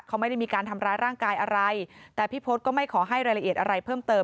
เขาไม่ได้มีการทำร้ายร่างกายอะไรแต่พี่พศก็ไม่ขอให้รายละเอียดอะไรเพิ่มเติม